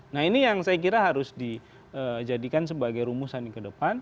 nah ini yang saya kira harus dijadikan sebagai rumusan ke depan